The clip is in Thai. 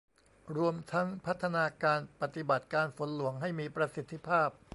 รวมทั้งพัฒนาการปฏิบัติการฝนหลวงให้มีประสิทธิภาพ